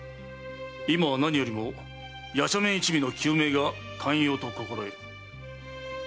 今は何よりも夜叉面一味の糾明が肝要と心得よ。